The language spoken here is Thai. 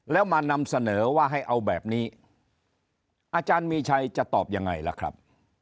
แล้วมานำเสนอว่าให้เอาแบบนี้อาจารย์มีชัยจะตอบยังไงล่ะครับ